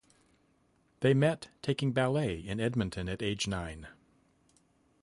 They met taking ballet in Edmonton at age nine.